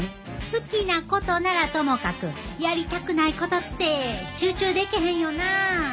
好きなことならともかくやりたくないことって集中でけへんよな。